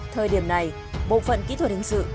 thời điểm này bộ phận kỹ thuật hình sự